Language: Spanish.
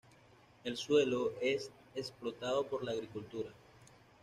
El suelo es explotado para la agricultura.